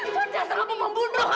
baca selamu membunuh kamu